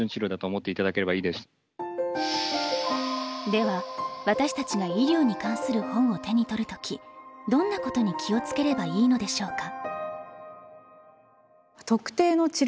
では私たちが医療に関する本を手に取るときどんなことに気をつければいいのでしょうか？